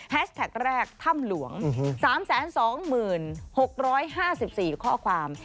แท็กแรกถ้ำหลวง๓๒๖๕๔ข้อความ